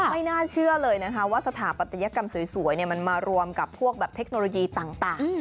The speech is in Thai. ไม่น่าเชื่อเลยนะคะว่าสถาปัตยกรรมสวยมันมารวมกับพวกแบบเทคโนโลยีต่าง